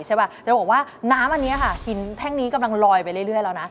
แต่ว่าน้ำอันนี้หินแท่งนี้กำลังลอยไปเรื่อยแล้ว